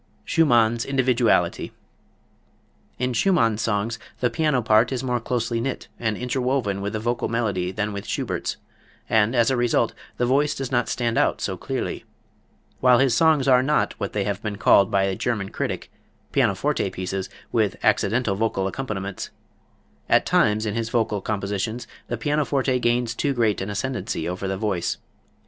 Schumann's Individuality. In Schumann's songs the piano part is more closely knit and interwoven with the vocal melody than with Schubert's, and, as a result, the voice does not stand out so clearly. While his songs are not what they have been called by a German critic, "pianoforte pieces with accidental vocal accompaniments," at times, in his vocal compositions, the pianoforte gains too great an ascendancy over the voice.